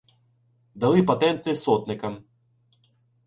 Дали патенти сотникам.